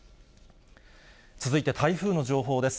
続いて台風の情報です。